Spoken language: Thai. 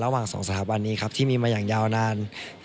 ระหว่าง๒สถาบันนี้ครับที่มีมาอย่างยาวนาน